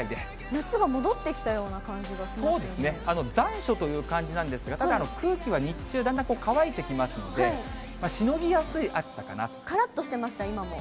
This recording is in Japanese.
夏が戻ってきたような感じがそうですね、残暑という感じなんですが、ただ、空気は日中、だんだん乾いてきますので、からっとしてました、今も。